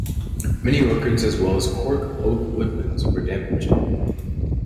Many orchards as well as cork oak woodlands were damaged.